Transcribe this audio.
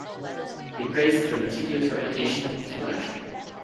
He praised the "meticulous replication" of the production.